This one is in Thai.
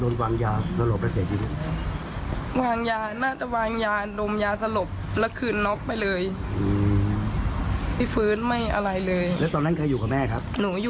นายแพทย์สมบูรณ์มะลิขาว